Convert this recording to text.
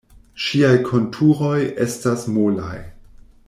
Ŝiaj konturoj estas molaj.